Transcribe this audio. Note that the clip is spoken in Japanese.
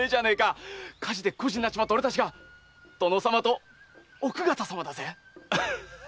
火事で孤児になっちまった俺たちが殿様と奥方様だぜ！